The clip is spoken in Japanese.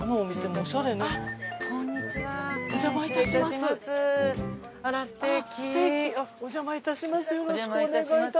お邪魔致します。